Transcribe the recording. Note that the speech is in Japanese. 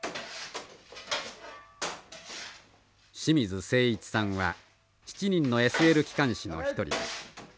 清水誠一さんは７人のＳＬ機関士の一人です。